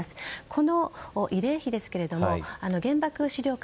この慰霊碑ですけれども原爆資料館